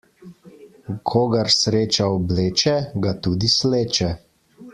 Kogar sreča obleče, ga tudi sleče.